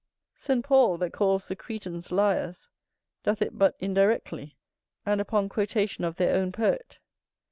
St Paul, that calls the Cretians liars, doth it but indirectly, and upon quotation of their own poet.